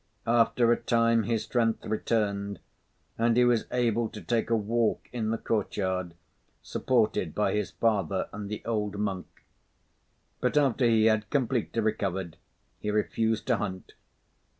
After a time, his strength returned, and he was able to take a walk in the courtyard, supported by his father and the old monk. But after he had completely recovered, he refused to hunt.